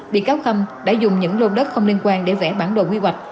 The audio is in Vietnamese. bị cáo khâm đã dùng những lô đất không liên quan để vẽ bản đồ quy hoạch